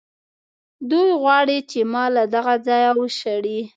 دوی غواړي چې ما له دغه ځایه وشړي.